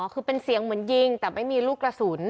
คือเป็นเสียงเหมือนยิงแต่ไม่มีลูกกระสุน